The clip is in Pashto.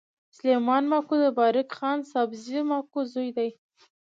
سلیمان ماکو د بارک خان سابزي ماکو زوی دﺉ.